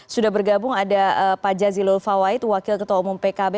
sudah bergabung ada pak jazilul fawait wakil ketua umum pkb